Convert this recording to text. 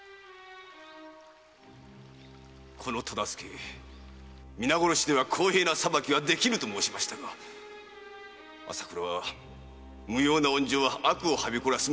私はみな殺しでは公平な裁きはできぬと申しましたが朝倉は無用な温情は悪をはびこらす元と抗弁を。